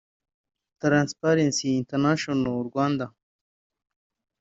Transparency International Rwanda